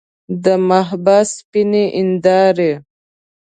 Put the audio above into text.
د محبس سپینې هندارې.